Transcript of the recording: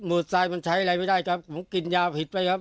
ทรายมันใช้อะไรไม่ได้ครับผมกินยาผิดไปครับ